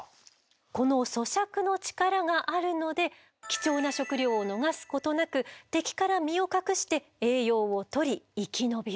この咀嚼の力があるので貴重な食料を逃すことなく敵から身を隠して栄養をとり生き延びる。